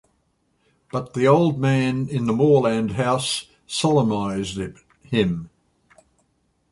But the old man in the moorland house solemnised him.